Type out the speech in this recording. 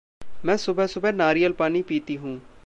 मैं सुबह-सुबह नारियल-पानी पीती हूँ।